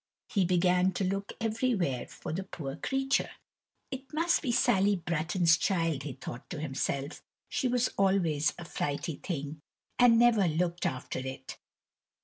He began to look everywhere for the poor creature. "It must be Sally Bratton's child," he thought to himself; "she was always a flighty thing, and never looked after it.